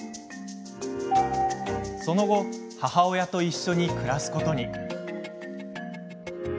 その後母親と一緒に暮らすことに。